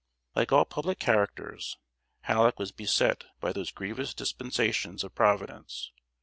Like all public characters, Halleck was beset by those grievous dispensations of Providence.